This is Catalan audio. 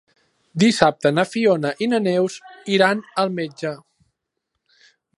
Dissabte na Fiona i na Neus iran al metge.